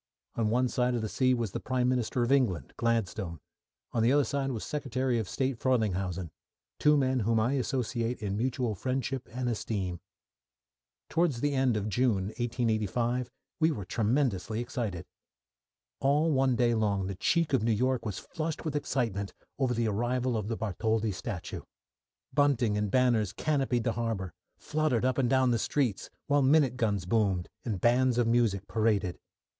On one side of the sea was the Prime Minister of England, Gladstone; on the other side was Secretary of State Frelinghuysen; two men whom I associate in mutual friendship and esteem. Towards the end of June, 1885, we were tremendously excited. All one day long the cheek of New York was flushed with excitement over the arrival of the Bartholdi statue. Bunting and banners canopied the harbour, fluttered up and down the streets, while minute guns boomed, and bands of music paraded.